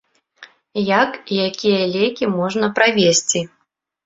Як і якія лекі можна правезці?